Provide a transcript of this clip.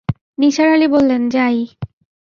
নিসার আলি বললেন, যাই।